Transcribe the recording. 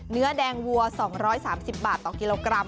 เนื้อแดงวัว๒๓๐บาทต่อกิโลกรัม